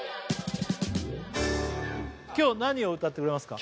今日何を歌ってくれますか？